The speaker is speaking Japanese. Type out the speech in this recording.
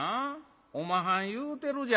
おまはん言うてるじゃろ。